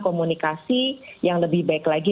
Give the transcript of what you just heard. komunikasi yang lebih baik lagi